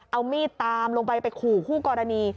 เอามีดตามลงไปไปขู่คู่กรณี